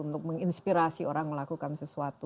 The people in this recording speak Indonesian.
untuk menginspirasi orang melakukan sesuatu